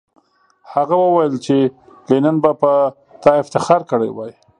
هغه وویل چې لینن به په تا افتخار کړی وای